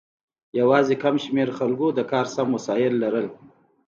یوازې کم شمیر خلکو د کار سم وسایل لرل.